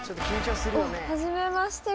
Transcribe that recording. はじめまして。